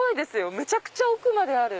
むちゃくちゃ奥まである。